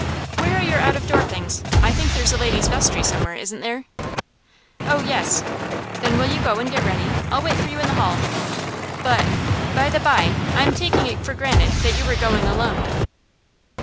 'Where are your out of door things? I think there's a ladies' vestry somewhere, isn't there?' 'Oh yes.' 'Then will you go and get ready? I'll wait for you in the hall. But, by the bye, I am taking it for granted that you were going alone.